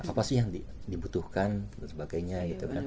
apa sih yang dibutuhkan dan sebagainya